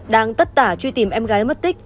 đang tất tả truy tìm em gái mất tích